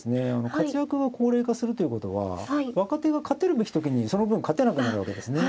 活躍が高齢化するということは若手が勝てるべき時にその分勝てなくなるわけですね。